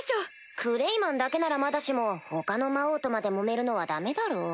クレイマンだけならまだしも他の魔王とまでもめるのはダメだろう。